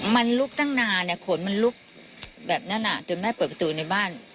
มันลุกตั้งนานขนมันลุกแบบนั้นจนแม่เปิดประตูในบ้าน